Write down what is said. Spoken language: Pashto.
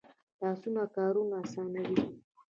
لاسونه کارونه آسانوي